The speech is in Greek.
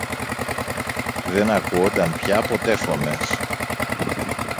Δεν ακούουνταν πια ποτέ φωνές.